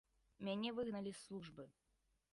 Мяне выгналі з службы.